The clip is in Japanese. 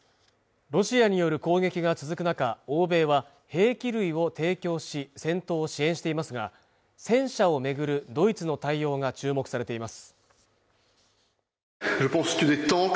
ロシアによる攻撃が続く中欧米は兵器類を提供し戦闘を支援していますが戦車をめぐるドイツの対応が注目されています